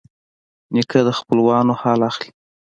نیکه د خپلوانو حال اخلي.